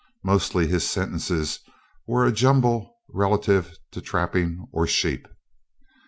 Mostly his sentences were a jumble relative to trapping or sheep.